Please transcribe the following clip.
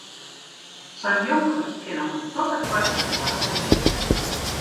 Sa'n jonker kin noch in protte foar sa'n doarp betsjutte.